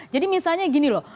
jadi misalnya gini loh